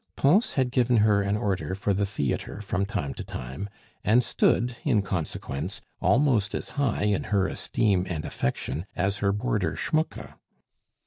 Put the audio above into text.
Pons had given her an order for the theatre from time to time, and stood in consequence almost as high in her esteem and affection as her boarder Schmucke.